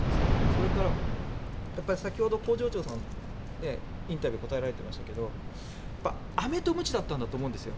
それから、先ほど工場長さんインタビューに答えられましたけどアメとムチだったんだと思うんですよ。